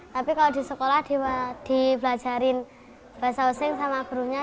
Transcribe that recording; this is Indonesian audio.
tapi kalau di sekolah dipelajari bahasa useng sama gurunya